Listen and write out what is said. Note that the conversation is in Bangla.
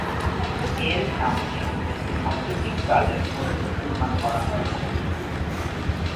এর সামনে একটি সাম্প্রতিককালের মসজিদ নির্মাণ করা হয়েছে।